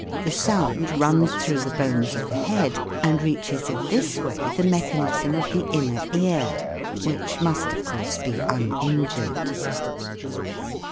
The sound runs through the bones of the head and reaches in this way the mechanism of the inner ear, which must of course be uninjured.